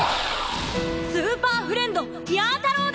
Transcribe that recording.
スーパーフレンドにゃ太郎です！